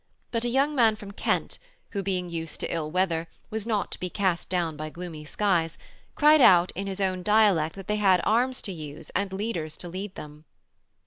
But a young man from Kent, who, being used to ill weather, was not to be cast down by gloomy skies, cried out in his own dialect that they had arms to use and leaders to lead them.